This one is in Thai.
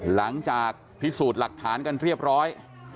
หลังจากพิสูจน์หลักฐานกันเรียบร้อย